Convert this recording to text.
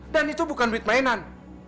dan itu bukan duit mainan